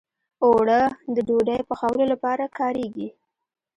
اوړه د ډوډۍ پخولو لپاره کارېږي